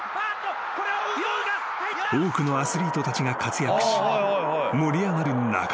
［多くのアスリートたちが活躍し盛り上がる中］